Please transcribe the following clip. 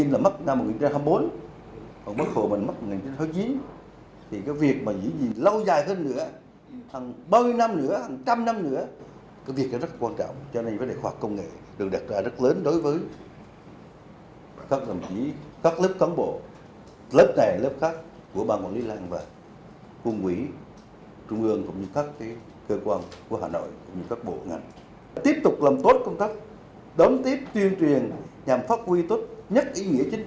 lớp này lớp khác của ban quản lý lăng và quân quỷ